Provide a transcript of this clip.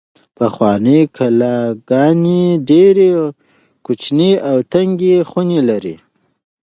پخوانۍ کلاګانې ډېرې کوچنۍ او تنګې خونې لرلې.